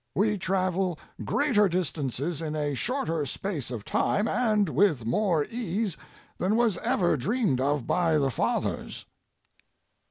We travel greater distances in a shorter space of time and with more ease than was ever dreamed of by the fathers.